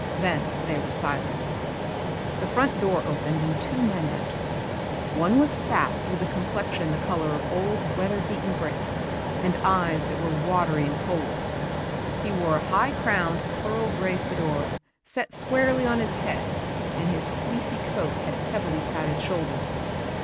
Then they were silent. The front door opened and two men entered. One was fat with a complexion the color of old weather beaten brick and eyes that were watery and cold. He wore a high crowned, pearl grey fedora, set squarely on his head and his fleecy coat had heavily padded shoulders.